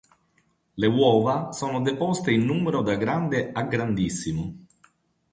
Le uova sono deposte in numero da grande a grandissimo.